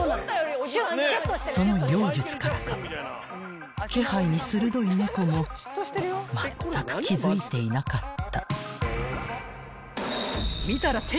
［その妖術からか気配に鋭い猫もまったく気付いていなかった］